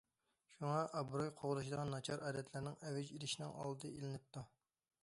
شۇڭا، ئابرۇي قوغلىشىدىغان ناچار ئادەتلەرنىڭ ئەۋج ئېلىشىنىڭ ئالدى ئېلىنىپتۇ.